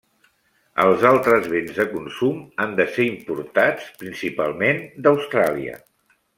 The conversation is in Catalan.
Els altres béns de consum han de ser importats, principalment d'Austràlia.